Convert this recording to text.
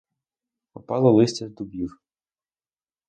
Опало листя з дубів.